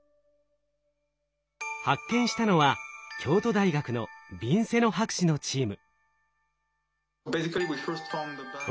発見したのは京都大学のヴィンセノ博士のチーム。